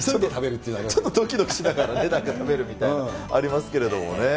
ちょっとどきどきしながらね、食べるみたいなの、ありますけれどもね。